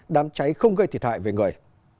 đám cháy không gây thiệt hại về người